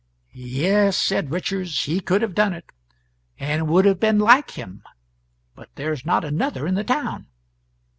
"Yes," said Richards, "he could have done it, and it would have been like him, but there's not another in the town."